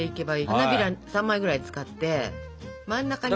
花びら３枚ぐらい使って真ん中に。